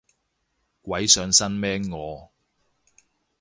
鬼上身咩我